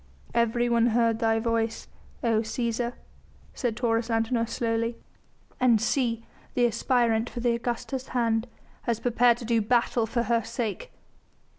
"Everyone heard thy voice, O Cæsar!" said Taurus Antinor slowly, "and see the aspirant for the Augusta's hand has prepared to do battle for her sake!"